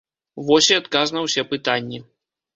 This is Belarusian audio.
Вось і адказ на ўсе пытанні.